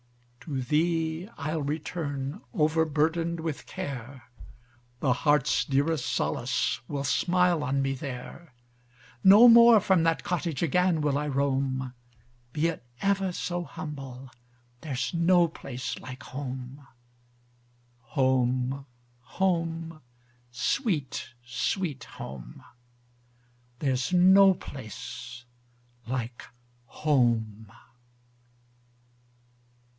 To thee I'll return, overburdened with care; The heart's dearest solace will smile on me there; No more from that, cottage again will I roam; Be it ever so humble, there's no place like home. Home, Home, sweet, sweet Home! There's no place like Home!